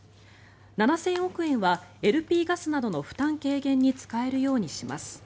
７０００億円はＬＰガスなどの負担軽減に使えるようにします。